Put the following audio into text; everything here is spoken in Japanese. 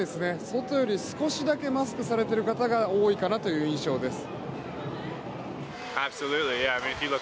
外より少しだけマスクされている方が多いかなという印象です。